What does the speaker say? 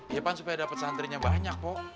yaa pan supaya dapet santrinya banyak kok